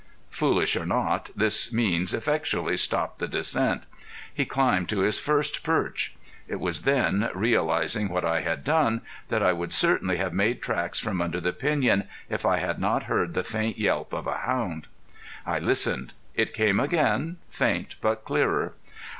Foolish or not, this means effectually stopped the descent. He climbed to his first perch. It was then, realizing what I had done, that I would certainly have made tracks from under the piñon, if I had not heard the faint yelp of a hound. I listened. It came again, faint but clearer.